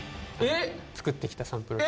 作ってきたサンプル。